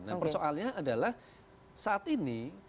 nah persoalannya adalah saat ini